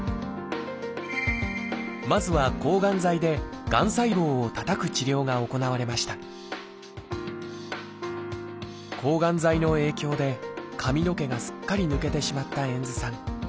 まずは抗がん剤でがん細胞をたたく治療が行われました抗がん剤の影響で髪の毛がすっかり抜けてしまった遠津さん。